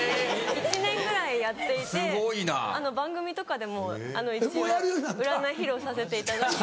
１年ぐらいやっていて番組とかでも一応占い披露させていただいて。